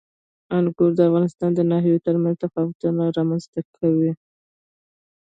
انګور د افغانستان د ناحیو ترمنځ تفاوتونه رامنځ ته کوي.